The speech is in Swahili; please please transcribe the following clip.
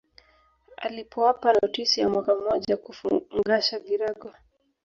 Alipowapa notisi ya mwaka mmoja kufungasha virago